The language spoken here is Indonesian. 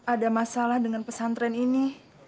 ada masalah dengan pesantren ini